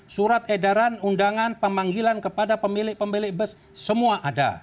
surat edaran undangan pemanggilan kepada pemilik pemilik bus semua ada